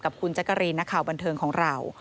กับคุณจักรีนนักข่าวบันเทิงของเรา